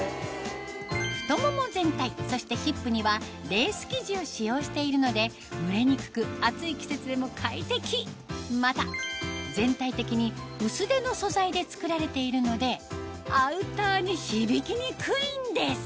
太もも全体そしてヒップにはレース生地を使用しているので蒸れにくく暑い季節でも快適また全体的に薄手の素材で作られているのでアウターに響きにくいんです